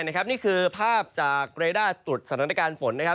นี่คือภาพจากเรด้าตรุดสถานการณ์ฝน